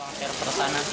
ruang server sana